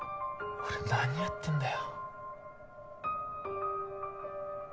俺何やってんだよ